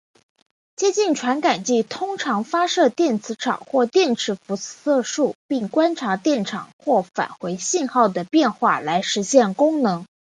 接近传感器通常发射电磁场或电磁辐射束并观察电场或返回信号的变化来实现功能。